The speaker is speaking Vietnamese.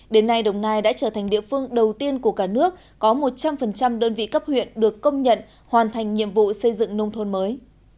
đến nay đồng nai đã trở thành địa phương đầu tiên của cả nước có một trăm linh đơn vị cấp huyện được công nhận hoàn thành nhiệm vụ xây dựng nông thôn mới